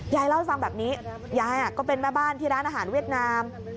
ยายเล่าให้ฟังแบบนี้ยายก็เป็นแม่บ้านที่ร้านอาหารเวียดนาม